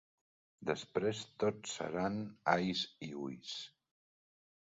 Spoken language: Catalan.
Després tot seran ais i uis.